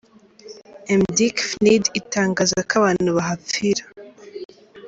M’Diq Fnide itangaza ko abantu bahapfira.